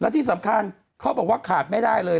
ที่สำคัญเขาบอกว่าขาดไม่ได้เลย